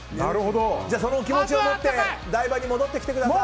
じゃあ、その気持ちを持って台場に戻ってきてください。